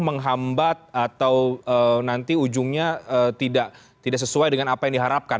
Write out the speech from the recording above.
menghambat atau nanti ujungnya tidak sesuai dengan apa yang diharapkan